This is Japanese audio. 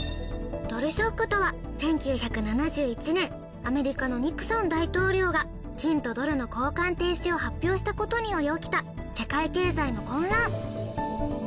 ドルショックとは１９７１年アメリカのニクソン大統領が金とドルの交換停止を発表したことにより起きた世界経済の混乱